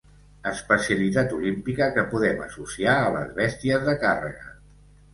Especialitat olímpica que podem associar a les bèsties de càrrega.